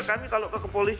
jadi saya protes